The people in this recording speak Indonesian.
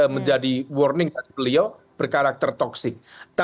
menjadi warning dari beliau berkarakter toxic